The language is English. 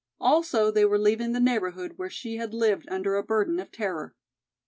Also they were leaving the neighborhood where she had lived under a burden of terror.